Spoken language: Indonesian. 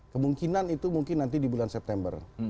kemungkinan itu mungkin nanti di bulan september